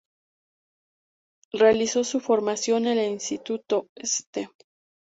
Realizó su formación en el instituto St.